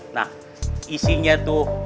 nah isinya tuh